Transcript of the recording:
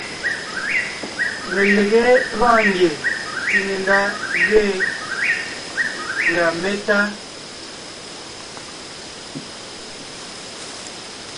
Melegé gɔɔn ngie tsìŋe ndá gẅiin pʉ̀a métá.